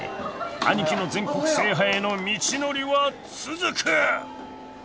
［アニキの全国制覇への道のりは続く！］